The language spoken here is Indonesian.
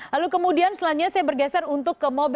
lalu kemudian selanjutnya saya bergeser untuk ke mobil